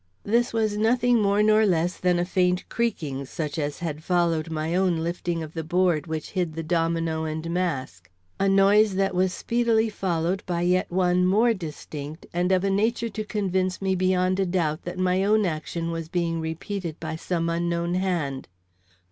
This was nothing more nor less than a faint creaking, such as had followed my own lifting of the board which hid the domino and mask; a noise that was speedily followed by one yet more distinct and of a nature to convince me beyond a doubt that my own action was being repeated by some unknown hand.